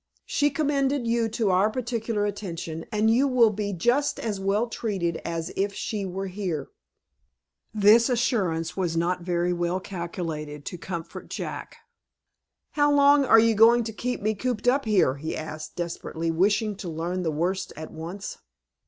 She commended you to our particular attention, and you will be just as well treated as if she were here." This assurance was not very well calculated to comfort Jack. "How long are you going to keep me cooped up here?" he asked, desperately, wishing to learn the worst at once.